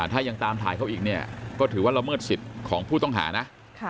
ถ้ายังตามถ่ายเขาอีกเนี่ยก็ถือว่าละเมิดสิทธิ์ของผู้ต้องหานะ